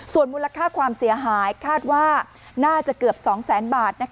ส่วนมูลค่าความเสียหายคาดว่าน่าจะเกือบ๒แสนบาท